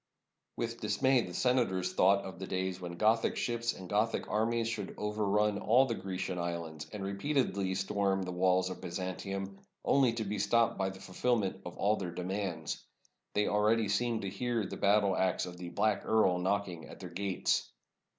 With dismay the senators thought of the days when Gothic ships and Gothic armies should overrun all the Grecian islands, and repeatedly storm the walls of By zantium, only to be stopped by the fulfillment of all 559 ROME their demands. They already seemed to hear the battle axe of the "Black Earl" knocking at their gates.